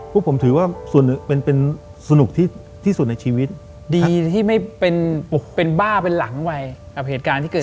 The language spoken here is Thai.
พวกผมถือว่าเป็นสนุกที่สุดในชีวิตดีที่ไม่เป็นบ้าเป็นหลังวัยกับเหตุการณ์ที่เกิด